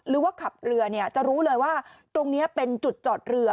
หรือว่าขับเรือจะรู้เลยว่าตรงนี้เป็นจุดจอดเรือ